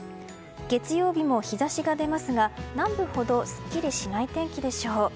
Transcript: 月曜日も日差しが出ますが南部ほどすっきりしない天気でしょう。